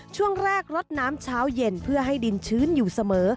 ช่วงแรกลดน้ำเช้าเย็นเพื่อให้ดินชื้นอยู่เสมอ